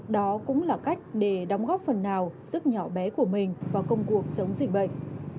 đó cũng là cách để đóng góp phần nào sức nhỏ bé của mình vào công cuộc chống dịch bệnh